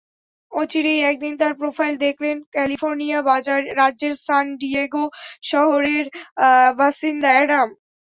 অচিরেই একদিন তাঁর প্রোফাইল দেখলেন ক্যালিফোর্নিয়া রাজ্যের সান ডিয়েগো শহরের বাসিন্দা অ্যাডাম।